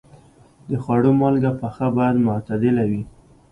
د خوړو مالګه پخه باید معتدله وي.